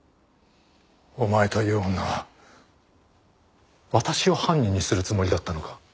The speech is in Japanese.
お前という女は私を犯人にするつもりだったのか？